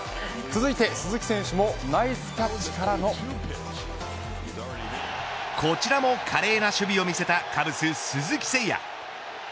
続いて鈴木選手もこちらも華麗な守備を見せたカブス鈴木誠也。